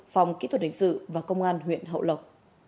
phòng kỹ thuật hình sự và công an huyện hậu lộc